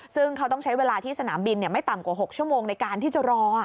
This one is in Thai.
ซึ่งเขาต้องใช้เวลาที่สนามบินไม่ต่ำกว่า๖ชั่วโมงในการที่จะรอ